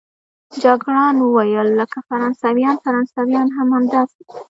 جګړن وویل: لکه فرانسویان، فرانسویان هم همداسې دي.